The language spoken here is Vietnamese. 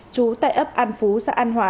chú tại ấp an phú xã an hòa